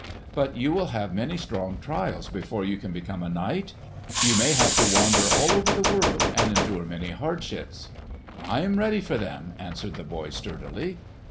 "But you will have many strong trials before you can become a knight. You may have to wander all over the world and endure many hardships." "I am ready for them," answered the boy sturdily.